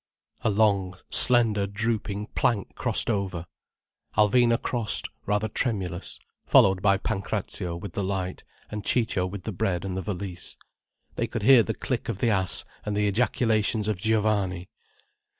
A long, slender, drooping plank crossed over. Alvina crossed rather tremulous, followed by Pancrazio with the light, and Ciccio with the bread and the valise. They could hear the click of the ass and the ejaculations of Giovanni.